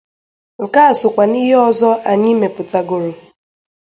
Nke ahụ sokwa n'ihe ọzọ anyị mepụtàgòrò.